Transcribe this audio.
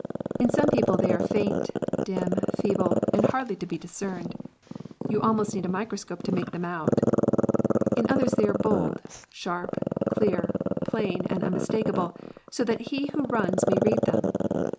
In some people they are faint, dim, feeble, and hardly to be dis cerned. Yon almost need a microscope to make them out. In others they are bold, sharp, clear, plain, and unmistakable, so that he who runs may read them.